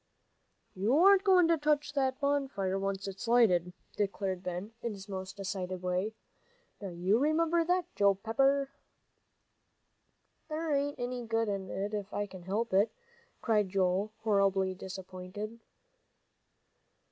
"You aren't goin' to touch that bonfire, once it's lighted," declared Ben, in his most decided way. "Now you remember that, Joe Pepper!" "There ain't any good in it, if I can't help," cried Joel, horribly disappointed.